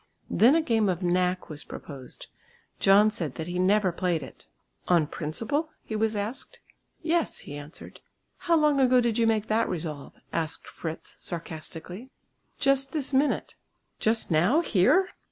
Then a game of "knack" was proposed. John said that he never played it. "On principle?" he was asked. "Yes," he answered. "How long ago did you make that resolve," asked Fritz sarcastically. "Just this minute." "Just now, here?"